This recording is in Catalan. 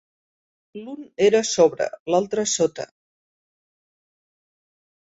L'un era sobre, l'altre sota.